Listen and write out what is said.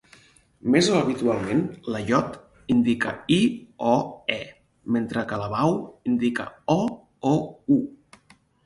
Més habitualment, la yod indica "i" o "e", mentre que la vau indica "o" o "u".